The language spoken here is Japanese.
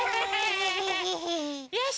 よし！